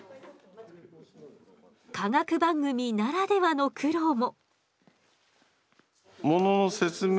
科学番組ならではの苦労も。